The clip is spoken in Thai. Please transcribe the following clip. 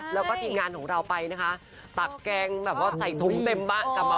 แล้วก็ทีมงานของเราไปนะคะตักแกงแบบว่าใส่ถุงเต็มบ้านกลับมา